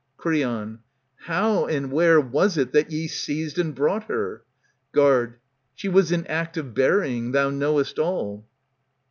*^ Creon, How and where was it that ye seized and brought her ? Guard, She was in act of burying. Thou knowest all.